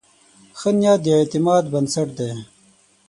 ښه نیت د اعتماد بنسټ دی.